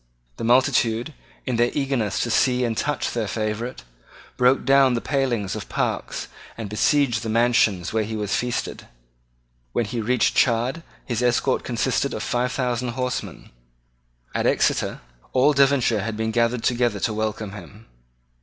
The multitude, in their eagerness to see and touch their favourite, broke down the palings of parks, and besieged the mansions where he was feasted. When he reached Chard his escort consisted of five thousand horsemen. At Exeter all Devonshire had been gathered together to welcome him.